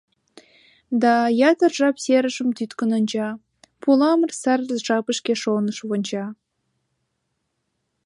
Да ятыр жап серышым тӱткын онча Пуламыр сар жапышке шоныш вонча.